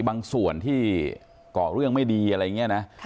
บางส่วนที่ก่อเรื่องไม่ดีอะไรอย่างนี้นะ